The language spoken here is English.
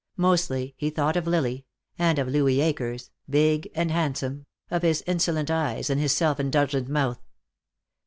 Mostly he thought of Lily, and of Louis Akers, big and handsome, of his insolent eyes and his self indulgent mouth.